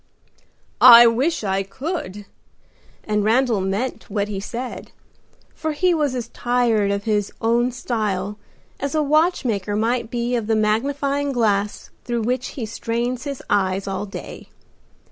"I wish I could!" and Randal meant what he said, for he was as tired of his own style as a watch maker might be of the magnifying glass through which he strains his eyes all day.